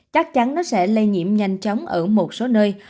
chắc chắn nó sẽ lây nhiễm nhanh chóng ở một số nơi